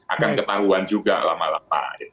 akan ketahuan juga lama lama